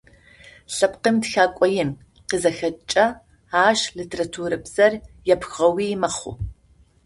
Лъэпкъым тхэкӏо ин къызыхэкӏыкӏэ ащ литературабзэр епхыгъэуи мэхъу.